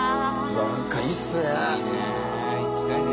何かいいっすね。